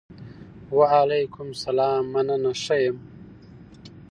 وعلیکم سلام! مننه ښۀ یم.